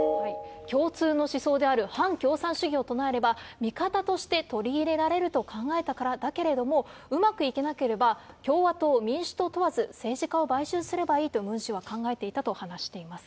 共通の思想である反共産主義を唱えれば、味方として取り入れられると考えたからだけれども、うまくいかなければ、共和党、民主党問わず、政治家を買収すればいいとムン氏は考えていたと話しています。